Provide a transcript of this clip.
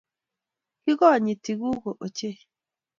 Kikonyitii gugo ochei